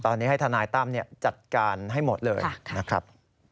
ตอนนี้ให้ทนายตั้มจัดการให้หมดเลยนะครับ